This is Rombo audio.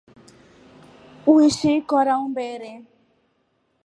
Uichi kora mbere?